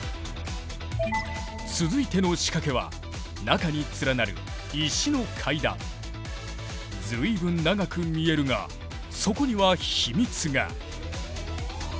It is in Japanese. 続いての仕掛けは中に連なる随分長く見えるがそこには秘密が。